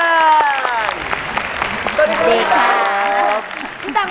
คุณสุรัตนาแหวนโน๊กงามคุณตัง